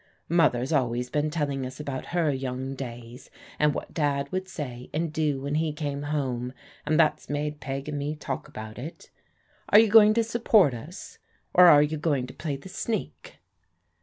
Mother's always been telling us about her young days, and what Dad would say and do when he came home, and that's made Peg and me talk about it. Are you going to support us, or are you going to play the sneak?"